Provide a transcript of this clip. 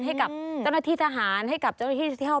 ให้กับเจ้าหน้าที่ทหารให้กับเจ้าหน้าที่ที่ห้อง